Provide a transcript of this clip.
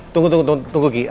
tunggu tunggu tunggu kiki